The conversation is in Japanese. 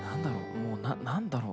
もう何だろう。